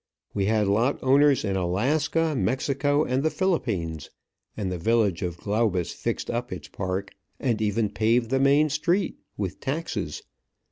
We had lot owners in Alaska, Mexico, and the Philippines; and the village of Glaubus fixed up its park, and even paved the main street with taxes.